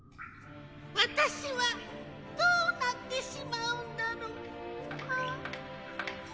わたしはどうなってしまうんだろう？ああ。